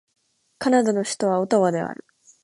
カナダの首都はオタワである